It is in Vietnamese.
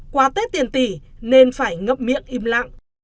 quà tết tiền tỷ nên phải ngấp miệng im lặng